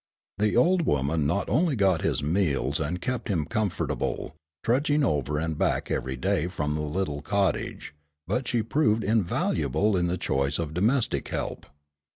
The old woman not only got his meals and kept him comfortable, trudging over and back every day from the little cottage, but she proved invaluable in the choice of domestic help.